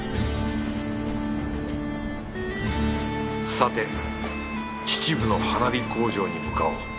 さて秩父の花火工場に向かおう。